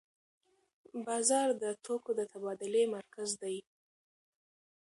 بازار د توکو د تبادلې مرکز دی.